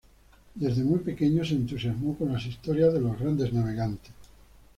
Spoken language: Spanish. Desde muy pequeño se entusiasmó con las historias de los grandes navegantes.